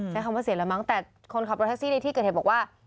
ใช้คำว่าเสียแล้วมั้งแต่คนขับรถแท็กซี่ในที่เกิดเหตุบอกว่า